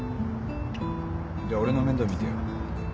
じゃあ俺の面倒見てよ。